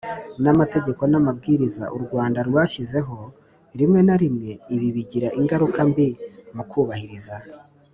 n amategeko n amabwiriza u Rwanda rwashyizeho Rimwe na rimwe ibi bigira ingaruka mbi mu kubahiriza